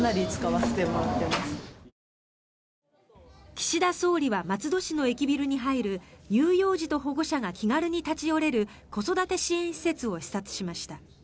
岸田総理は松戸市の駅ビルに入る乳幼児と保護者が気軽に立ち寄れる子育て支援施設を視察しました。